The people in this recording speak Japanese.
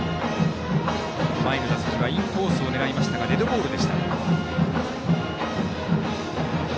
前の打席はインコースを狙いましたがデッドボールでした。